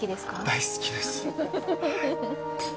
大好きです。